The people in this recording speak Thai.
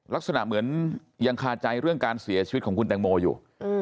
ลักษณะเหมือนยังคาใจเรื่องการเสียชีวิตของคุณแตงโมอยู่